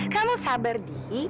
kamu sabar di